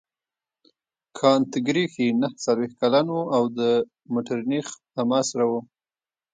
کانت ګریفي نهه څلوېښت کلن وو او د مټرنیخ همعصره وو.